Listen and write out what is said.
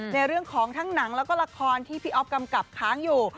ในเรื่องของทั้งหนังแล้วก็ละครที่พี่อ๊อฟกำกับค้างอยู่